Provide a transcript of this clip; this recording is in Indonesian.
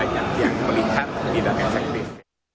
yang kelima yang melihat tidak efektif